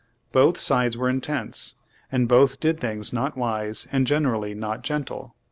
Both sides were intense, and both did things not wise and generally not gentle.